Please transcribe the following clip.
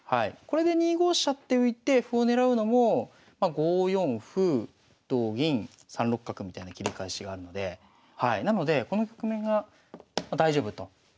これで２五飛車って浮いて歩を狙うのもま５四歩同銀３六角みたいな切り返しがあるのでなのでこの局面が大丈夫と。